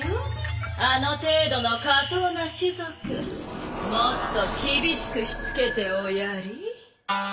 あの程度の下等な種族もっと厳しくしつけておやり。